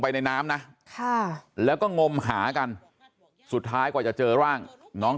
ในน้ำนะแล้วก็งมหากันสุดท้ายกว่าจะเจอร่างน้อง